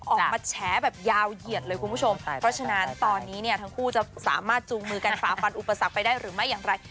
ออกมาแฉแบบยาวเหยียดเลยคุณผู้ชมเพราะฉะนั้นตอนนี้เนี่ยทั้งคู่จะสามารถจูงมือกันฝ่าฟันอุปสรรคไปได้หรือไม่อย่างไร